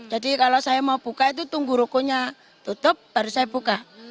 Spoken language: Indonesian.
kalau saya mau buka itu tunggu rukonya tutup baru saya buka